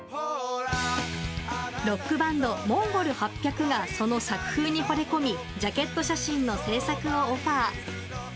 ロックバンドＭＯＮＧＯＬ８００がその作風にほれ込みジャケット写真の制作をオファー。